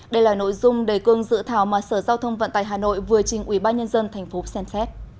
đây là nội dung đề cương dự thảo mà sở giao thông vận tài hà nội vừa trình ubnd tp cnx